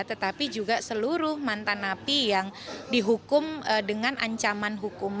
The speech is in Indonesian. tetapi juga seluruh mantan napi yang dihukum dengan ancaman hukum